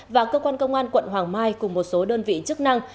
và cơ quan công an quận hoàng mai cùng một số đơn vị chức năng